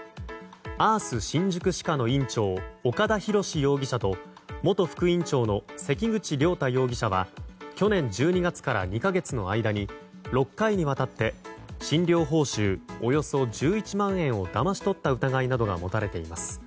あーす新宿歯科の院長岡田洋容疑者と元副院長の関口了太容疑者は去年１２月から２か月の間に６回にわたって診療報酬およそ１１万円をだまし取った疑いなどが持たれています。